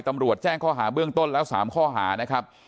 ตำรวจแจ้งข้อหาเบื้องต้นแล้ว๓ข้อหานะครับ